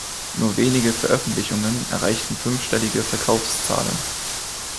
Nur wenige Veröffentlichungen erreichten fünfstellige Verkaufszahlen.